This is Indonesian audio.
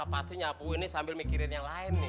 wah pasti nyapuin nih sambil mikirin yang lain nih